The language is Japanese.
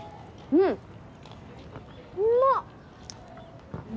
んうまっ！